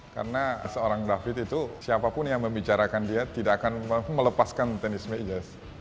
karena seorang david itu siapapun yang membicarakan dia tidak akan melepaskan tenis meja